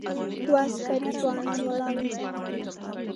دوه عسکري ځوانان ولاړ و.